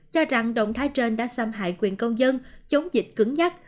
cho rằng động thái trên đã xâm hại quyền công dân chống dịch cứng nhắc